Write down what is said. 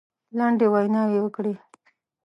لنډې ویناوي وکړې.